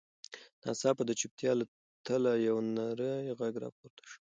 ناڅاپه د چوپتیا له تله یو نرۍ غږ راپورته شو.